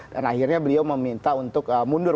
dan akhirnya beliau meminta untuk mundur